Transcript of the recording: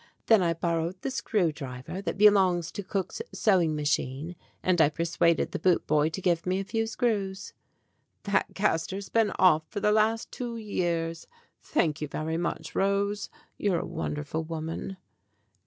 Then I borrowed the screw driver that belongs to cook's sewing machine, and I persuaded the boot boy to give me a few screws." "That castor's been off for the last two years. Thank you very much, Rose. You're a wonderful woman."